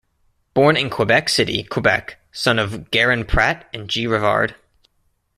Born in Quebec City, Quebec, son of Garon Pratte and G. Rivard.